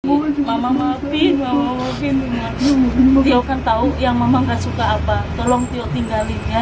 hai mu mama maafin mau gini mau jauhkan tahu yang memang gak suka apa tolong tiongkok tinggalin ya